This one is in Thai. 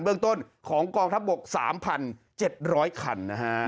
เบื้องต้นของกองทัพบก๓๗๐๐คันนะฮะ